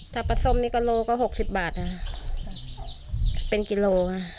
ตากปลาส้มนี้ก็ลูกก็๖๐บาทเป็นกิโล